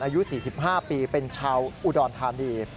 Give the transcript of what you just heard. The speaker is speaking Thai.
อายุ๔๕ปีเป็นชาวอุดรธานี